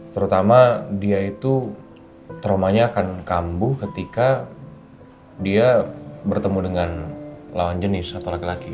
terutama dia itu traumanya akan kambuh ketika dia bertemu dengan lawan jenis atau laki laki